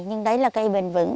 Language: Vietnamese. nhưng đấy là cây bền vững